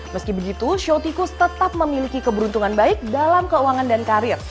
meski begitu show tikus tetap memiliki keberuntungan baik dalam keuangan dan karir